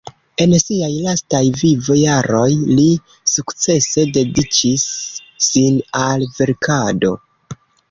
En siaj lastaj vivo-jaroj, li sukcese dediĉis sin al verkado.